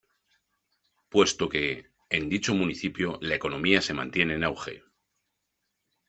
Puesto que, en dicho municipio la economía se mantiene en auge.